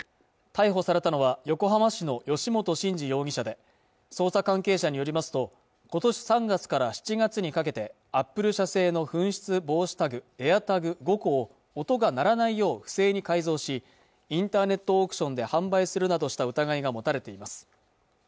逮捕されたのは横浜市の由元慎二容疑者で捜査関係者によりますとことし３月から７月にかけてアップル社製の紛失防止タグＡｉｒＴａｇ５個を音が鳴らないよう不正に改造しインターネットオークションで販売するなどした疑いが持たれています